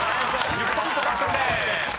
１０ポイント獲得です］